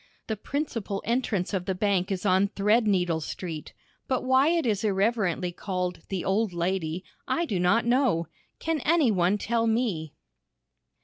The principal entrance of the bank is on Threadneedle Street, but why it is irreverently called "the Old Lady" I do not know. Can any one tell me?